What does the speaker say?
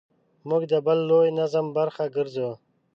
موږ د بل لوی نظم برخه ګرځو.